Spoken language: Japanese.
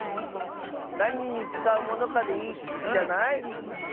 なににつかうものかでいいんじゃない？